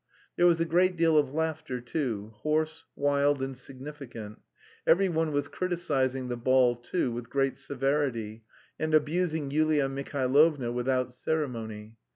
There was a great deal of laughter too, hoarse, wild and significant. Every one was criticising the ball, too, with great severity, and abusing Yulia Mihailovna without ceremony.